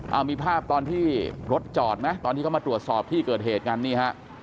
เอามีภาพตอนที่รถจอดไหมตอนที่เขามาตรวจสอบที่เกิดเหตุกันนี่ฮะ